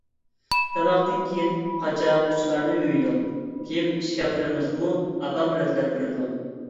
تاماقتىن كېيىن قاچا-قۇچىلارنى يۇيىدۇ. كىيىم ئىشكاپلىرىمىزنىمۇ ئاپام رەتلەپ بېرىدۇ.